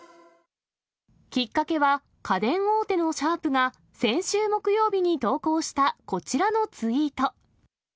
きっかけは、家電大手のシャープが、先週木曜日に投稿したこちらのツイート。